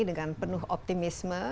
dengan penuh optimisme